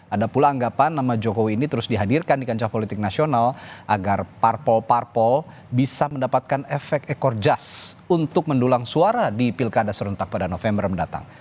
ada pula anggapan nama jokowi ini terus dihadirkan di kancah politik nasional agar parpol parpol bisa mendapatkan efek ekor jas untuk mendulang suara di pilkada serentak pada november mendatang